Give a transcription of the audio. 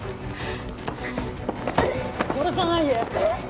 殺さないで！